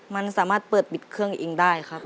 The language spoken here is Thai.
มันสามารถเปิดปิดเครื่องอิงได้ครับ